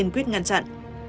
quyết ngăn chặn